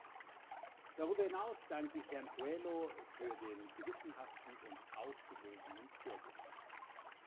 Darüber hinaus danke ich Herrn Coelho für den gewissenhaften und ausgewogenen Vorsitz.